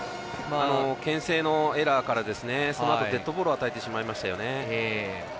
けん制のエラーからそのあと、デッドボールを与えてしまいましたよね。